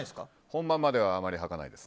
本番まではあまり履かないです。